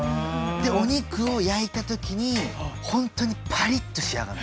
でお肉を焼いた時に本当にパリッと仕上がる。